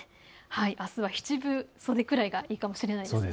あすは七分袖ぐらいがいいかもしれません。